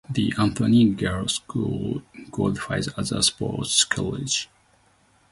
The Anthony Gell School qualifies as a Sports College.